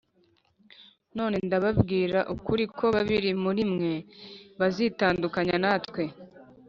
Nanone ndababwira ukuri ko babiri muri mwe bazitandukanya natwe